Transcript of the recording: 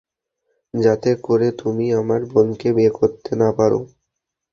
যাতে করে তুমি আমার বোনকে বিয়ে করতে না পার।